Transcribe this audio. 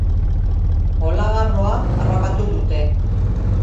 Olagarroa harrapatu dute.